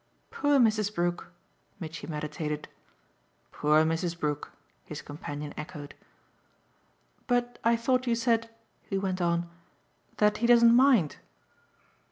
"Poor Mrs. Brook!" Mitchy meditated. "Poor Mrs. Brook!" his companion echoed. "But I thought you said," he went on, "that he doesn't mind."